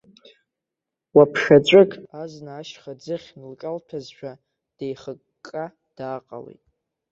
Уаԥшаҵәык азна ашьха ӡыхь нылҿалҭәазшәа, деихыкка дааҟалеит.